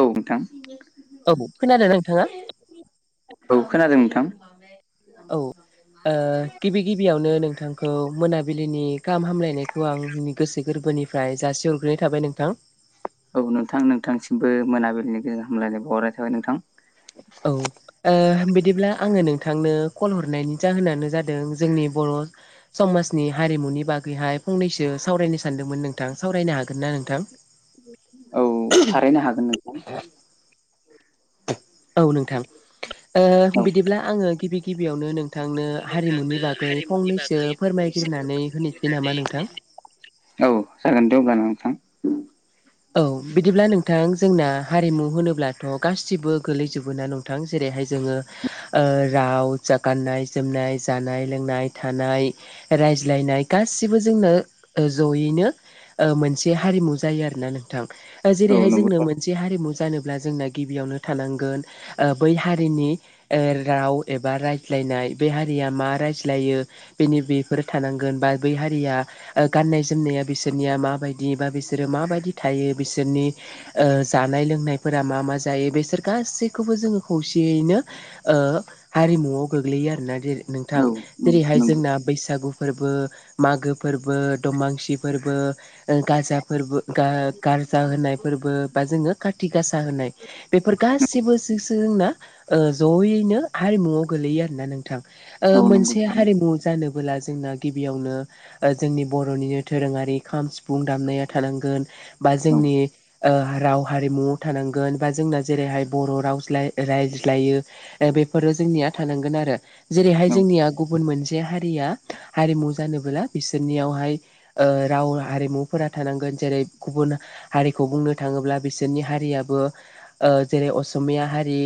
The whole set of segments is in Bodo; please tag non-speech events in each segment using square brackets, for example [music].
औ नोंथां औ खोनादों नोंथाङा औ खोनादों नोंथां औ ओ गिबि गिबियावनो नोंथांखौ मोनाबिलिनि गाहाम हामलायनायखौ आंनि गोसो गोरबोनिफ्राय जासि हरग्रोनाय थाबाय नोंथां औ नोंथां नोंथांसिमबो मोनाबिलिनि गेजेर हामलायनाय बावहरनाय थाबाय नोंथां ओ औ बिदिब्ला आङो नोंथांनो कल हरनायनि जाहोनानो जादों जोंनि बर' समाजनि हारिमुनि बागैहाय फंनैसो सावरायनो सानदोंमोन नोंथां सावरायनो हागोन ना नोंथां [inaudible] औ थारैनो हागोन नोंथां औ नोंथां औ ओ बिदिब्ला आङो गिबि गिबियावनो नोंथांनो हारिमुनि बागै फंनैसो फोरमायग्रोनानै होनोसै नामा नोंथां औ जागोन दे अब्ला नोंथां औ बिदिब्ला नोंथां जोंना हारिमु होनोब्लाथ' गासिबो गोलैजोबो ना नों थां जेरैहाय जोङो ओ राव जा गाननाय जोमनाय जानाय लोंनाय थानाय रायज्लायनाय गासिबो जोंनो ओ जयैनो मोनसे हारिमु जायो आरोना नोंथां ओ औ जेरैहाय नंगौ जोंनो औ मो नसे हारिमु जानोब्ला जोंना गिबियावनो थानांगोन बै हारिनि ओ राव एबा रायज्लायनाय बे हारिया मा रायज्लायो बिनि बेफोर थानांगोन बा बै हारिया ओ गाननाय जोमनाया बिसोरनिया माबायदि बा बिसोरो माबायदि थायो बिसोरनि ओ जानाय लोंनायफोरा मा मा जायो बेसोर गासैखौबो जोङो खौसेयैनो ओ हारिमुआव गोग्लैयो आरोना बे नोंथां जेरैहाय नंगौ जोंना बैसागु फोरबो मागो फोरबो दमांसि फोरबो ओ गाजा फोरबो गा गारजा होनाय फोरबो बा जोङो काति गासा होनाय बेफोर गासिबोसो जोंना ओ जयैनो हारिमुआव गोलैयो आरोना नोंथां औ ओ नंगौ मोनसे औ हारिमु जानोबोला जोंना गिबियावनो ओ जोंनि बर'निनो दोरोङारि खाम सिफुं दामनाया थानांगोन बा जोंनि ओ राव हारिमुआव थानांगोन बा जोंना जेरैहाय बर' रावज्लाव रायज्लायो दा बेफोरो जोंनिया थानांगोन आरो जेरैहाय औ जोंनिया गुबुन मोन से हारिया हारिमु जानोबोला बिसोरनियावहाय ओ राव हारिमुफोरा थानांगोन जेरै गुबुन हारिखौ बुंनो थाङोब्ला बिसोरनि हारियाबो ओ जेरै असमिया हारि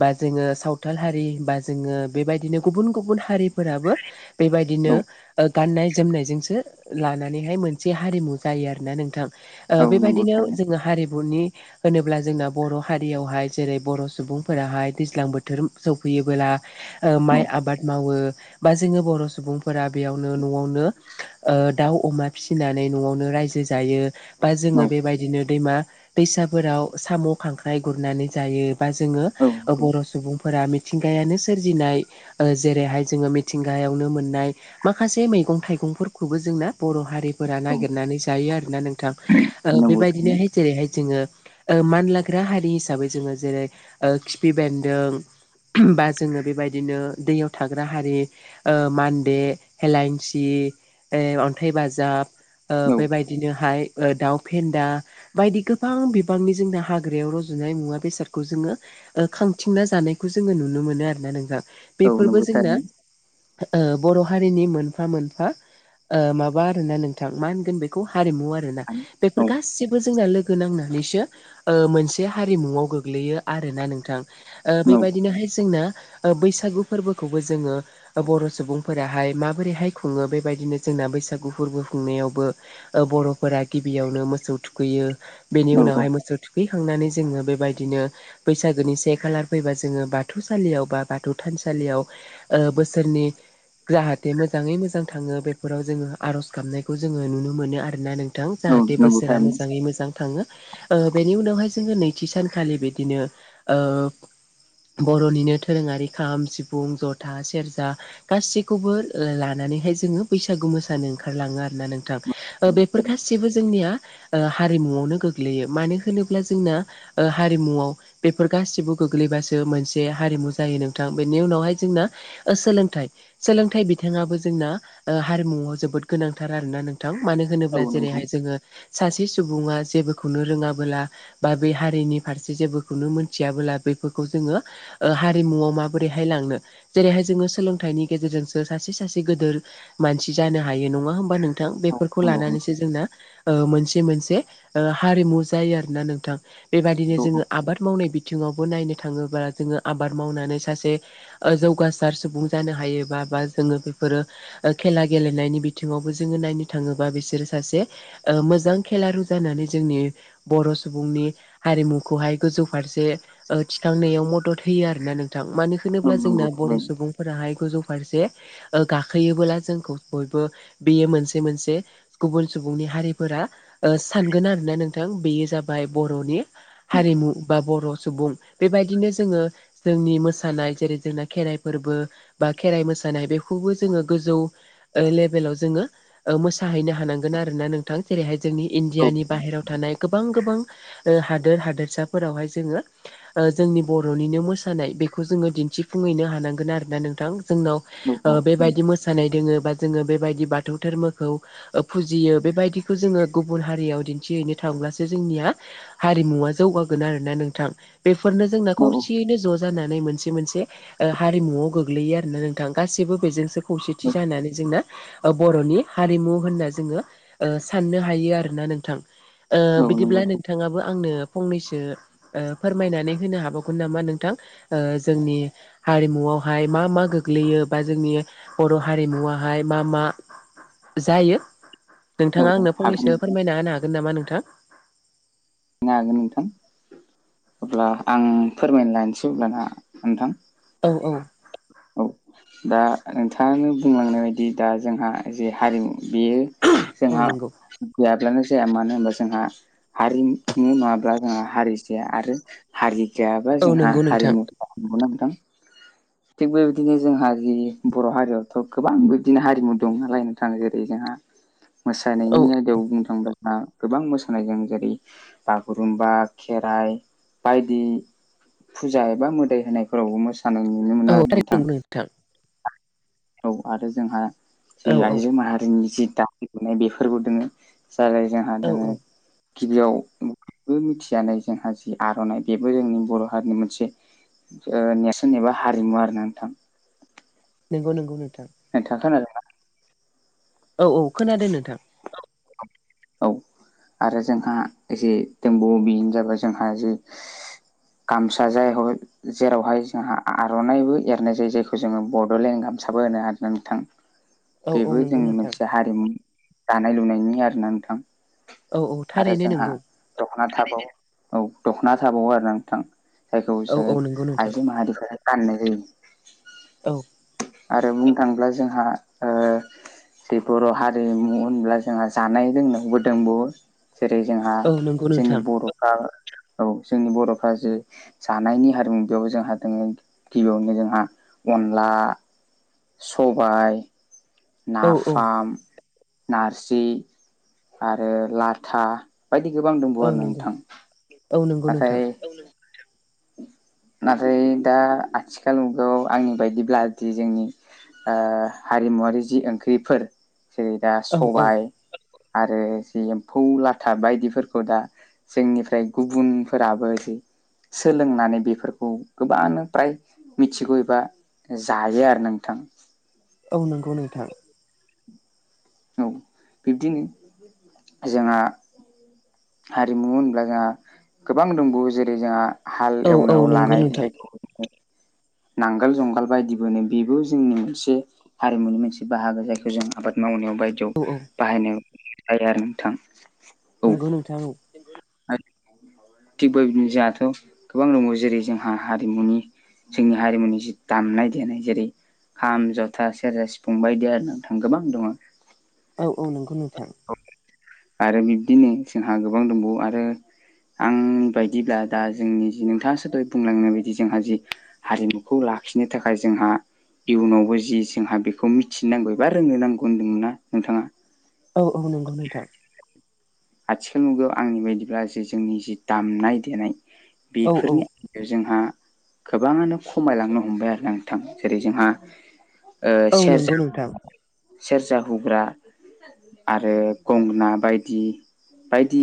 बा जोङो सावथाल हारि बा जोङो बेबायदिनो गुबुन गुबुन हारिफोराबो बेबायदिनो औ ओ गाननाय जोमनायजोंसो लानानैहाय मोनसे हारिमु जायो आरोना नोंथां औ ओ नंगौ बेबायदिनो थारैनो जोङो हारिमुनि होनोब्ला जोंना बर' हारियावहाय जेरै बर' सुबुंफोराहाय दैज्लां बो थोर सौफैयो ओ औ माइ आबाद मावो बा जोङो बर' सुबुंफोरा बेयावनो न'वावनो ओ दाउ अमा फिसिनानै न'वावनो रायजो जायो बा जोङो बेबायदिनो दैमा दैसाफोराव साम' खांख्राइ गुरनानै जायो। बा जोङो औ ओ नंगौ औ बर' सुबुंफोरा मिथिंगायानो सोरजिनाय ओ जेरैहाय जोङो मिथिंगायावनो मोननाय माखासे मैगं थाइगंफोरखौबो जोंना बर' हारिफोरा नागिरनानै जायो आरोना नोंथां ओ नंगौ थारैनो बेबायदिनोहाय जेरैहाय जोङो ओ मानलाग्रा हारि हिसाबै जोङो जेरै ओ खिफि बेन्दों बा जोङो बेबायदिनो दैयाव थाग्रा हारि ओ मान्दे हेेलाइन्सि ओ अन्थाइ बाजाब ओ औ बेबायदिनोहाय ओ दाउ फेन्दा बायदि गोबां बिबांनि जोंना हाग्रायाव रजुनाय मुवा बेसादखौ जोङो ओ खांथिंना जानायखौ जोङो नुनो मोनो आरो ना नोंथां औ बेफोरबो नंगौ थारैनो औ जोंना नंगौ थारैनो ओ बर' हारिनि मोनफा मोनफा ओ माबा आरोना नोंथां मा होनगोन बेखौ हारिमु आरोना आ बेफोर गाैबो जोंना लोगो नांनानैसो ओ मोनसे हारिमुआव गोग्लैयो आरोना नोंथां नंगौ बेबायदिनोहाय जोंना ओ बैसागु फोरबोखौबो जोङो ओ बर' सुबुंफोराहाय माबोरैहाय खुङो बेबायदिनो जोंना बैसागु फोरबो खुंनायावबो ओ बर'फोरा गिबियावनो मोसौ थुखैयो बेनि औ उनावहाय मोसौ थुखै थैखांनानै जोङो बेबायदिनो बैसागोनि से खालार फैबा जोङो बाथौसालियाव बा बाथौ थानसालियाव ओ बोसोरनि जाहाथे मोजाङै मोजां थाङो बेफोराव जोङो आर'ज गाबनायखौ जोङो नुनो मोनो आरोना नों नंगौ औ जाहाथे नंगौ बोसोरा थारैनो मोजाङै मोजां थाङो ओ बेनि उनावहाय जोङो नैथि सानखालि बिदिनो ओ बर'निनो दोरोङारि खाम सिफुं जथा सेरजा गासैखौबो ओ लानानैहाय जोङो बैसागु मोसानो ओंखारलाङो आरोना नोंथां औ ओ बे बेफोर गासिबो जोंनिया ओ हारिमुआवनो गोग्लैयो मानो होनोब्ला जोंना ओ हारिमुआव बेफोर गासिबो गोग्लैबासो मोनसे हारिमु जायो नोंथां बेनि उनावहाय जोंना ओ सोलोंथाइ सोलोंथाइ बिथिङाबो जोंना ओ हारिमुआव जोबोद गोनांथार आरोना नोंथां मानो होनो जेरैहाय जोङो सासे सुबुङा जेबोखौनो रोङाबोला बा बे हारिनि फारसे जेबोखौनो मोनथियाबोला बेफोरखौ जोङो ओ हारिमुआव माबोरैहाय लांनो जेरैहाय जोङो सोलोंथाइनि गेजेरजोंसो सासे सासे गोदोर मानसि जानो हायो नङा होमबा नोंथां बेफोरखौ लानानैसो जोंना ओ मोनसे मोनसे ओ हारिमु जायो आरोना नोंथां बेबदिनो जोङो आबाद मावनाय बिथिङावबो नायनो थाङोब्ला जोङो आबाद मावनानै सासे ओ जौगासार सुबुं जानो हायोबा बा जोङो बेफोरो ओ खेला गेलेनायनि बिथिङावबो जोङो नायनो थाङोबा बिसोरो सासे ओ मोजां खेलारु जानानै जोंनि बर' सुबुंनि हारिमुखौहाय गोजौ फारसे ओ थिखांनायाव मदद होयो आरो ना नोंथां मानो होनोब्ला जोंना बर' सुबुं फोराहाय गोजौ फारसे ओ गाखोयोबोला जोंखौ बयबो बेयो मोनसे मोनसे गुबुन सुबुंनि हारिफोरा ओ सानगोन आरोना नोंथां बेयो जाबाय बर'नि हारिमु बा बर' सुबुं बेबायदिनो जोङो जोंनि मोसानाय जेरै जोंना खेराइ फोरबो बा खेराइ मोसानाय बेखौबो जोङो गोजौ ओ लेभेलाव जोङो ओ मोसाहैनो हानांगोन आरोना नों थां जेरैहाय जोंनि इण्डियानि बाहेरायाव थानाय गोबां गोबां ओ हादोर हादोरसाफोरावहाय जोङो ओ जोंनि बर'निनो मोसानाय बेखौ जोङो दिन्थिफुंहैनो हानांगोन आरोना नोंथां जोंनाव ओ औ बेबायदि मोसानाय दोङ बा जोङो बेबायदि बाथौ धोरमोखौ फुजियो बेबायदिखौ जोङो गुबुन हारियाव दिन्थिहैनो थांब्लासो जोंनिया हारिमुवा जौगागोन आरो ना नोंथां बेफोरनो जोंना औ खौसेयैनो ज' ज जानानै मोनसे मोनसे हारिमुआव गोलैयो आरोना नोंथां गासिबो बेजोंसो खौसेथि औ जानानै जोंना ओ बर'नि हारिमु होननानै जोंङो ओ साननो हायो आरोना नोंथां औ बिदिब्ला नंगौथ' नोंथांङाबो आंनो फंनैसो फोरमायनानै होनो हाबावगोन नामा नोंथां जोंनि हारिमुवावहाय मा मा गोग्लैयो बा जोंनि बर' हारिमुवाहाय मा मा जायो औ नोंथांङा औ आंनो हागोन फंनैसो फोरमायना होनो हागोन नामा नोंथां [unintelligible] हागोन नोंथां अब्ला आं फोरमायनो लानोसै अब्ला ना नोंथां औ औ [unintelligible] दा नोंथांङानो बुंलांनाय बायदि दा जोंहा जे हारिमु बेयो औ जोंहा नंगौ गैयाब्लानो जाया मानो होनबा जोंहा हारिमु नंङाब्ला जोंहा हारि जाया आरो हारि गैयाबा औ जोंहा नंगौ नोंथां हारिमु [unintelligible] नंगौ ना नोंथां थिग बेबायदिनो जोंहा जि बर' हारियावथ' गोबां बिबदिनो हारिमु दंनालाय नोंथां जेरै जोंहा [inaudible] औ मोसानायनि आयदायाव बुंनो थांङोब्ला गोबां मोसानाय जों जेरै बागुरुम्बा खेराइ बायदि फुजा एबा मोदाय होनायफोरावबो मोसानाय नुनो मोनो। औ थारैनो नोंथां औ आरो जोंहा औ जि औ आइजो माहारिनि जि दानाय लुनाय बेफोरबो दोंङो जालाय जोंहा औ दोंङो औ गिबियाव बयजोंबो मिथिजानाय जोंहा जि आर'नाइ बेबो जोंनि बर' हारिनि मोनसे नेरसोन एबा हारिमु आरो ना नोंथां नंगौ नंगौ नोंथां नोंथां खोनादों ना औ औ खोनादों नोंथां औ आरो जोंहा एसे दंबावो बेनो जाबाय जोंहा जे गामसा जाय हय जेरावहाय जोंहा आर'नाइबो एरनाय जायो जायखौ जोंङो बड'लेण्ड गामसाबो होनो आरो ना नोंथां [inaudible] बेबो नंगौ जोंनि नोंथां मोनसे हारिमु दानाय लुनायनि आरो ना नोंथां औ औ आरो थारैनो जोंहा नंगौ दख'ना थाबावो औ दख'ना थाबावो आरो ना नोंथां जायखौ औ जों औ नंगौ नोंथां आइजो माहारिफोरा गाननाय जायो। औ आरो बुंनो थाङोब्ला जोंहा जे बर' हारिमु होनब्ला जोंहा जानाय लोंनायबो दोंबावो जेरै जोंहा औ नंगौ जोंनि नोंथां बर'फ्रा औ जोंनि बर'फ्रा जि जानायनि हारिमु बेयाव जोंहा दोंङो गिबियावनो जोंहा अन अला सबाइ औ औ नाफाम नारजि आरो लाथा बायदि गोबां दंबावो औ आरो ना नंगौ नोंथां औ नंगौ नोंथां नाथाय नाथाय दा आथिखाल मुगायाव आंनि बायदिब्ला जि जोंनि हारिमुवारि जि ओंख्रिफोर जेरै दा औ औ सबाय आरो जि एम्फौ लाथा बायदिफोरखौ दा जोंनिफ्राय गुबुनफोराबो सोलोंनानै बेफोरखौ गोबाङानो फ्राय मिथिगौ एबा जायो आरो नोंथां औ नंगौ नोंथां औ बिब्दिनो जोङा हारिमु होनब्ला जोङा गोबां दंबावो जेरै जोङा हाल औ औ एवनायाव नंगौ लानाय नोंथां जायखौ जोङो [unintelligible] नांगोल जंगाल बायदिबो होनो बेबो जोंनि मोनसे हारिमुनि मोनसे बाहागो जायखौ जों आबाद मावनायाव बाय दियाव औ औ बाहायनाय [unintelligible] जायो आरो नोंथां औ नंगौ नोंथां आरो थिग बेबायदिनो जाहाथ' गोबां दङ जेरै जोंहा हारिमुनि जोंनि हारिमुनि जि दामनाय-देनाय जेरै खाम, जथा, सेर्जा, सिफुं बायदि आरो नोंथां गोबां दङ। औ औ नंगौ नोंथां। औ आरो बिब्दिनो जोंहा गोबां दंबावो आरो आं बायदिब्ला दा जोंनि जि नोंथाङासो दहय बुंलांनाय बायदि जोंहा जि हारिमुखौ लाखिनो थाखाय जोंहा इयुनावबो जि जोंहा बेखौ मिथिनांगौ एबा रोंनो नांगौ होनदोंमोनना नोंथाङा? औ औ नंगौ नोंथां। आथिखाल मुगायाव आंनि बायदिब्ला जि जोंनि जि दामनाय-देनाय औ औ बेफोरनि जोंहा गोबाङानो खमायलांनो हमबाय आरोना नोंथां जेरै जोंहा ओ औ नंगौ सेर्जा नोंथां [unintelligible] सेर्जा हुग्रा आरो गंगोना बायदि बायदि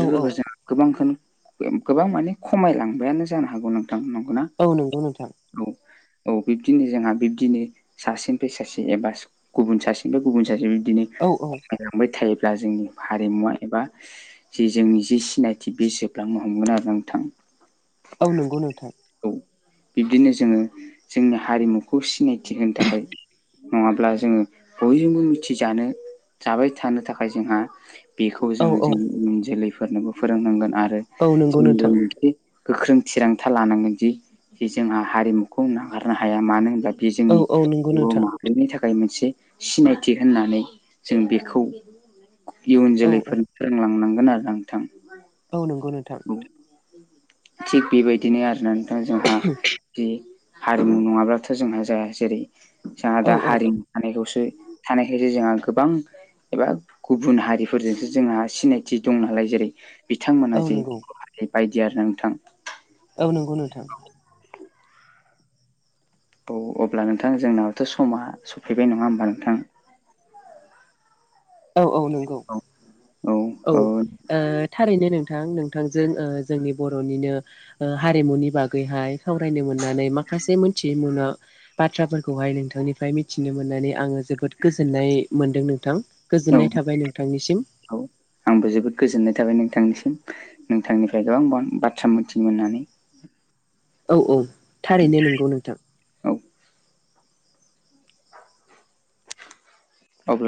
औ औ जोङो गोबांखोनो गोबां माने खमायलांबायानो जानो हागौ नोंथां नंगौना? औ नंगौ नोंथां। औ औ बिब्दिनो जोंहा बिब्दिनो सासेनिफ्राय सासे एबा गुबुन सासेनिफ्राय गुबुन सासे बिब्दिनो औ औ खमायलांबाय थायोब्ला जोंनि हारिमुवा एबा जि जोंनि जि सिनायथि बे जोबलांनो हमगोन आरो नोंथां औ नंगौ नोंथां औ बिब्दिनो जोङो जोंनि हारिमुखौ सिनायथि होनो थाखाय नङाब्ला जोङो बयजोंबो मिथिजानो जाबाय थानो थाखाय जोंहा बेखौ औ जोङो औ जोंनि इयुन जोलैफोरनोबो फोरोंनांगोन आरो औ नंगौ जोंबो नोंथां मोनसे गोख्रों थिरांथा लानांगोनदि जि जोंहा हारिमुखौ नागारनो हाया मानो होनब्ला बि औ जोंनि औ नंगौ बर' नोंथां मा हारिनि थाखाय मोनसे सिनायथि होननानै जों बेखौ इयुन औ औ जोलैफोरनो फोरोंलांनांगोन आरोना नोंथां औ नंगौ नोंथां औ थिग बेबायदिनो आरोना नोंथां जोंहा जि हारिमु नङाब्लाथ' जोंहा जाया जेरै जाहा दा औ औ हारिमु थानायखौसो थानायखायसो जोंहा गोबां एबा गुबुन हारिफोरजोंसो जोंहा सिनायथि दं नालाय जेरै बिथांमोना औ जे नंगौ [unintelligible] बायदि आरोना नोंथां। औ नोंगौ नोंथां। औ अब्ला नोंथां जोंनाबोथ' समा सफैबाय नङा ओमबा नोंथां? औ औ नंगौ औ औ ओ ओ थारैनो नोंथां नोंथांजों ओ जोंनि बर'निनो ओ हारिमुनि बागैहाय सावरायनो मोननानै माखासे मोनथियै मोना बाथ्राफोरखौहाय नोंथांनिफ्राय मिथिनो मोननानै आङो जोबोद गोजोननाय मोनदों नोंथां। औ गोजोननाय थाबाय नोंथांनिसिम। औ आंबो जोबोद गोजोननाय थाबाय नोंथांनिसिम। नोंथांनिफ्राय गोबां गोबां बाथ्रा मिथिनो मोननानै औ औ थारैनो नोंगौ नोंथां औ अब्ला